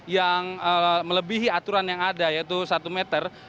yang melebihi aturan yang ada yaitu satu meter